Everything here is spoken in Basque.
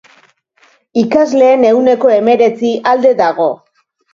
Ikasleen ehuneko hemeretzi alde dago.